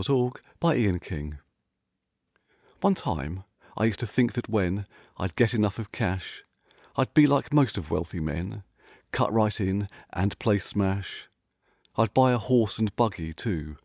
IN WRONG, AS USUAL One time I used to think that when I'd get enough of cash I'd be like most of wealthy men— Cut right in and play smash— I'd'buy a horse and buggy, too.